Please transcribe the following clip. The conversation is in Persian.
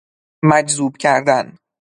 مجذوب کردن